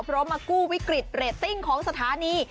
เพราะมากู้วิกฤตเรตติ้งของสถานี